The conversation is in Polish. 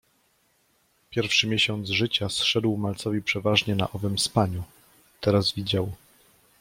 Pierwszy miesiąc życia zszedł malcowi przeważnie na owym spaniu. Teraz widział